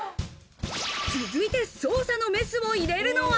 続いて捜査のメスを入れるのは。